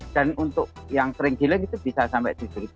dan untuk yang kering giling itu bisa sampai rp tujuh